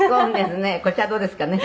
こっちはどうですかね？」